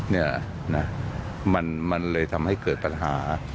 เนี่ยนะมันเลยทำให้เกิดปัญหา